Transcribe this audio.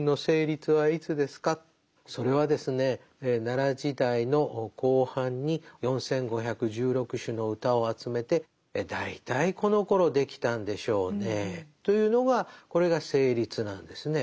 それはですね奈良時代の後半に４，５１６首の歌を集めて大体このころ出来たんでしょうねというのがこれが「成立」なんですね。